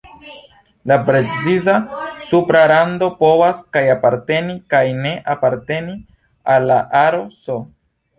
La preciza supra rando povas kaj aparteni kaj ne aparteni al la aro "S".